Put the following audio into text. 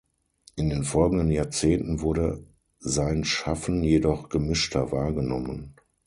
In den folgenden Jahrzehnten wurde sein Schaffen jedoch gemischter wahrgenommen.